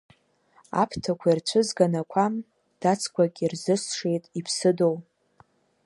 Аԥҭақәа ирцәызган ақәа, дацқәак ирзысшеит иԥсыдоу.